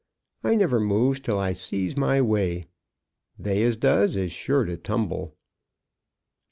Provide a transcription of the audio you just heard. I never moves till I see my way. They as does is sure to tumble."